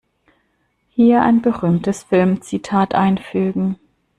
Hier ein berühmtes Filmzitat einfügen.